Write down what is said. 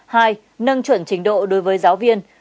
hai nâng chuẩn trình độ đối với giáo viên